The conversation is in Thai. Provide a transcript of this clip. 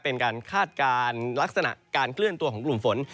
เป็นการคาดการณ์ลักษณะการเคลื่อนตัวของกลุ่มฝน